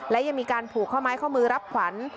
และยังมีการผูกข้อไม้ข้อมือรับขวัญ